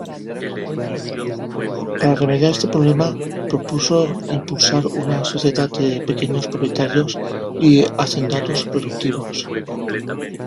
Para remediar este problema, propuso impulsar una sociedad de pequeños propietarios y hacendados productivos.